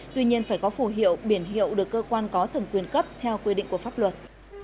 tuy nhiên phải có phủ hiệu biển hiệu được cơ quan có thẩm quyền cấp theo quy định của pháp luật